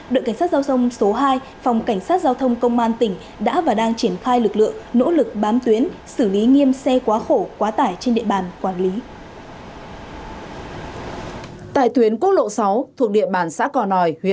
đội cảnh sát giao thông số hai phòng cảnh sát giao thông công an tỉnh đã và đang triển khai lực lượng nỗ lực bám tuyến xử lý nghiêm xe quá khổ quá tải trên địa bàn quản lý